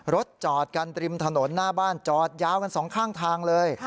รถจอดกันริมถนนหน้าบ้านจอดยาวกันสองข้างทางเลย